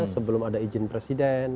sebelum ada izin presiden